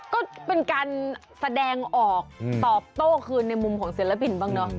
ก็เป็นการแสดงออกตอบโต้คืนในมุมของศิลปินบ้างเนอะ